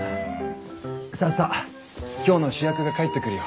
さあさあ今日の主役が帰ってくるよ。